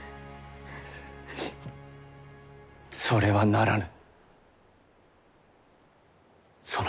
それはならぬ。